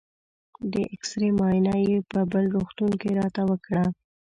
د اېکسرې معاینه یې په بل روغتون کې راته وکړه.